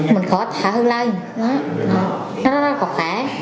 mình có thả hư lên nó rất là khỏe